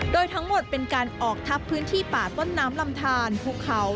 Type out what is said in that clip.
โดยทั้งหมดเป็นการออกทับพื้นที่ป่าต้นน้ำลำทานภูเขา